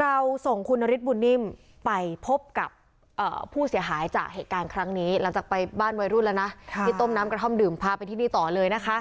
เราส่งคุณนฤทธบุญนิ่มไปพบกับผู้เสียหายจากเหตุการณ์ครั้งนี้หลังจากไปบ้านวัยรุ่นแล้วนะที่ต้มน้ำกระท่อมดื่มพาไปที่นี่ต่อเลยนะคะ